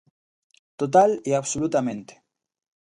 Total e absolutamente.